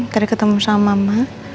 tadi ketemu sama mama